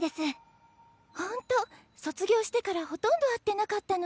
ホント卒業してからほとんど会ってなかったのに。